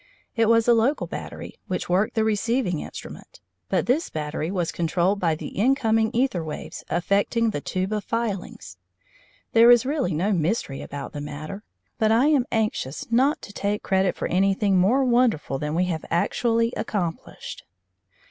It was a local battery which worked the receiving instrument, but this battery was controlled by the incoming æther waves affecting the tube of filings. There is really no mystery about the matter, but I am anxious not to take credit for anything more wonderful than we have actually accomplished.